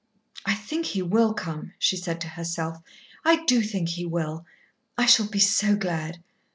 "I think he will come," she said to herself. "I do think he will. I shall be so glad.